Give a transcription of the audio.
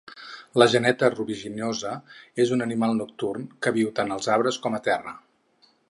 La geneta rubiginosa és un animal nocturn, que viu tant als arbres com a terra.